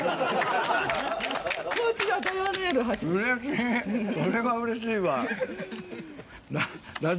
それはうれしいわ。